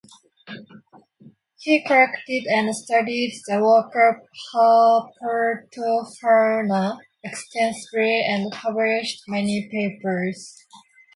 He collected and studied the local herpetofauna extensively and published many papers.